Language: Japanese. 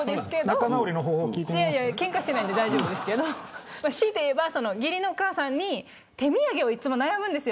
けんかしていないので大丈夫ですけどしいて言えば義理のお母さんに手土産をいつも悩むんです。